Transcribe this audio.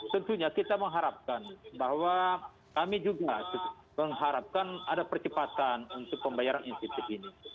tentunya kita mengharapkan bahwa kami juga mengharapkan ada percepatan untuk pembayaran insentif ini